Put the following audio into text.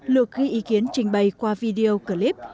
lượt ghi ý kiến trình bày qua video clip